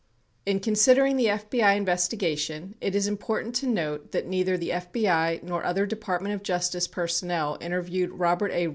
23 In considering the FBI investigation it is important to note that neither the FBI nor other Department of Justice personnel inter viewed Robert A.